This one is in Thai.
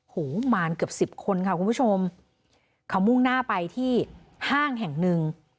มาเกือบสิบคนค่ะคุณผู้ชมเขามุ่งหน้าไปที่ห้างแห่งหนึ่ง